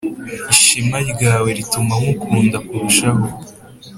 ishema ryawe rituma nkukunda kurushaho